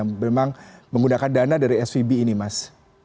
yang memang menggunakan dana dari svb ini mas